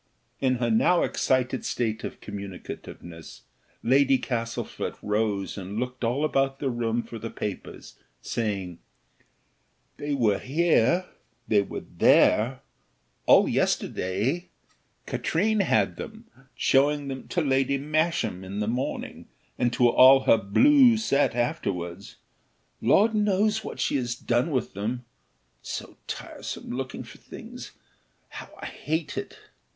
In her now excited state of communicativeness, Lady Castlefort rose and looked all about the room for the papers, saying, "They were here, they were there, all yesterday; Katrine had them showing them to Lady Masham in the morning, and to all her blue set afterwards Lord knows what she has done with them. So tiresome looking for things! how I hate it."